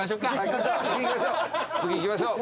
次行きましょう！